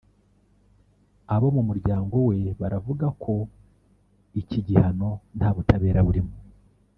Abo mu muryango we baravuga ko iki gihano nta butabera burimo